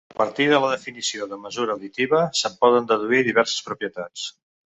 A partir de la definició de mesura additiva se'n poden deduir diverses propietats.